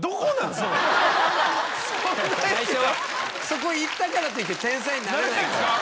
そこ行ったからといって天才になれないから。